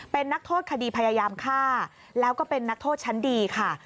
เป็นนักโทษคดีพยายามฆ่าแล้วก็เป็นนักโทษชั้นดีค่ะ